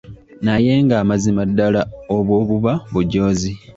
Naye nga mazima ddala obwo buba bujoozi.